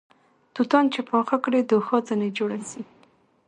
توتان چې پاخه کړې دوښا ځنې جوړه سې